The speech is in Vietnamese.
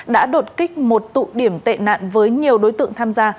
đã đột kích một tụ điểm tệ nạn với nhiều đối tượng tham gia